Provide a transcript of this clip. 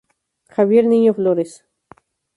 Javier Niño Flores.